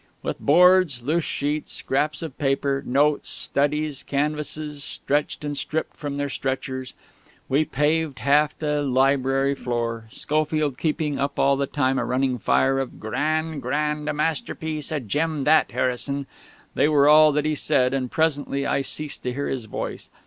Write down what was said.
With boards, loose sheets, scraps of paper, notes, studies, canvases stretched and stripped from their stretchers, we paved half the library floor, Schofield keeping up all the time a running fire of "Grand, grand! A masterpiece! A gem, that, Harrison!" They were all that he said, and presently I ceased to hear his voice.